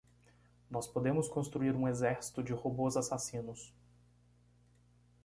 Nós podemos construir um exército de robôs assassinos.